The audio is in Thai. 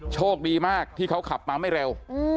โชคดีมากที่เขาขับมาไม่เร็ว